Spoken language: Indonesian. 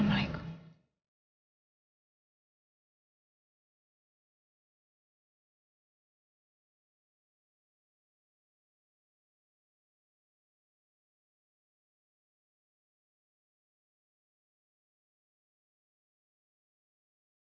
sepertinya aku harus ketemu sama temen temennya roy sekali lagi deh